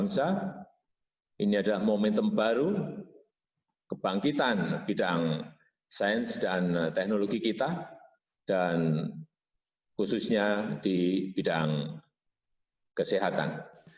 sains dan teknologi kita dan khususnya di bidang kesehatan